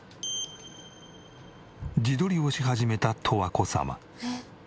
自撮りをし始めた十和子様。